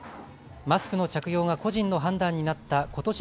マスクの着用が個人の判断になったことし